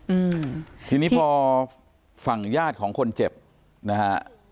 อืมทีนี้พอฝั่งญาติของคนเจ็บนะฮะ